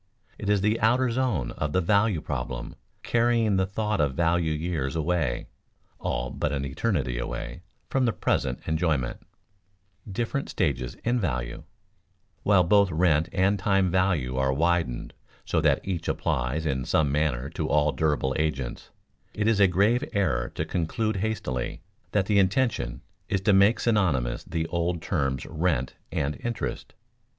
It is the outer zone of the value problem, carrying the thought of value years away (all but an eternity away) from present enjoyment. [Sidenote: Different stages in value] While both rent and time value are widened so that each applies in some manner to all durable agents, it is a grave error to conclude hastily that the intention is to make synonymous the old terms rent and interest.